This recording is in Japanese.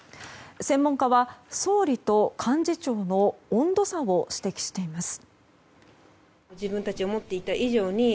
専門家は総理と幹事長の温度差を指摘しています。